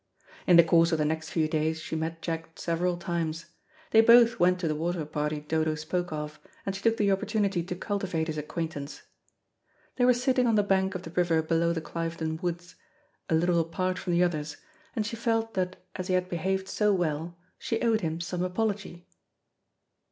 In the course of the next few days she met Jack several times. They both went to the water party Dodo spoke of, and she took the opportunity to cultivate his acquaintance. They were sitting on the bank of the river below the Clivedon woods, a little apart from the others, and she felt that as he had behaved so well, she owed him some apology.